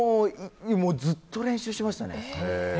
ずっと練習していましたね。